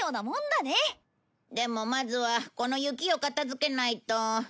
でもまずはこの雪を片付けないと。